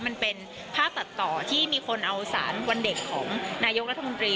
มันเป็นภาพตัดต่อที่มีคนเอาสารวันเด็กของนายกรัฐมนตรี